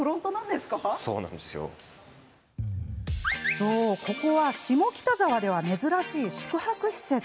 そう、ここは下北沢では珍しい宿泊施設。